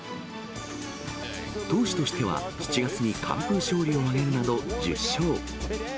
投手としては、７月に完封勝利を挙げるなど１０勝。